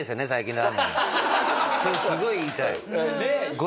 それすごい言いたい。